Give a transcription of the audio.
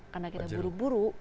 karena kita buru buru